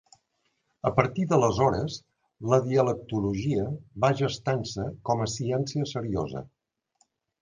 A partir d'aleshores, la dialectologia va gestant-se com a ciència seriosa.